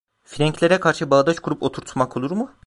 Frenklere karşı bağdaş kurup oturtmak olur mu?